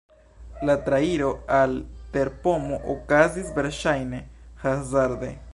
La trairo al terpomo okazis verŝajne hazarde.